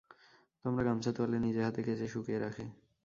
তোমার গামছা তোয়ালে নিজের হাতে কেচে শুকিয়ে রাখে।